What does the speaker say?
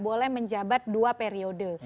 boleh menjabat dua periode